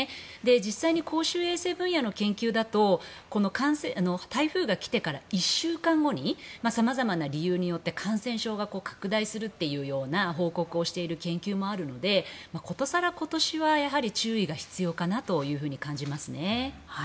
実際に公衆衛生分野の研究だと台風が来てから１週間後に様々な理由によって感染症が拡大するというような報告をしている研究もあるので殊更、今年は注意が必要かなと感じますね。